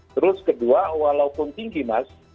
terus kedua walaupun tinggi mas